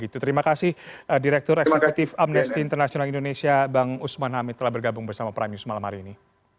terima kasih direktur eksekutif amnesty international indonesia bang usman hamid telah bergabung bersama prime news malam hari ini